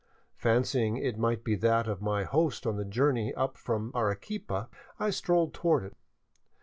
Fancying it might be that of my host on the journey up: from Arequipa, I strolled toward it.